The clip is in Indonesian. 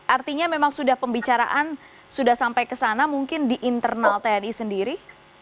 artinya memang sudah pembicaraan sudah sampai ke sana mungkin di internal tni sendiri